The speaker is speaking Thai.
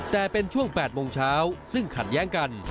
แต่เป็นช่วง๘โมงเช้าซึ่งขัดแย้งกัน